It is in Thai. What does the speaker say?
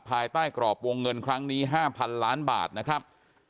ภายใต้กรอบวงเงินครั้งนี้๕๐๐๐ล้านบาทนะครับ